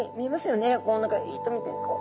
こう何か糸みたいなこう。